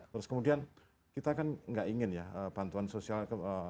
terus kemudian kita kan nggak ingin ya bantuan sosial